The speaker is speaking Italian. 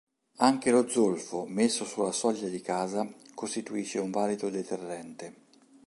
Anche lo zolfo messo sulla soglia di casa costituisce un valido deterrente.